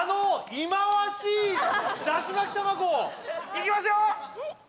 いきますよ！